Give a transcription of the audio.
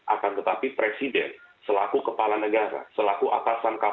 akan tetapi presiden selaku kepala negara selaku atasan kapolri atasan jaksa agung